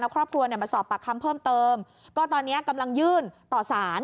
มาสอบปากคำเพิ่มเติมก็ตอนนี้กำลังยื่นต่อศาล